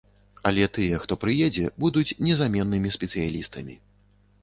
Але тыя, хто прыедзе, будуць незаменнымі спецыялістамі.